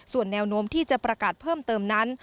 ส่วนแนวโน้มที่จะประกาศเพิ่มเติมนั้น